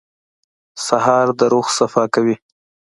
سهار د روح صفا کوي.